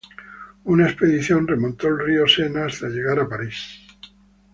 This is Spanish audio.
Una expedición remontó el río Sena hasta llegar a París.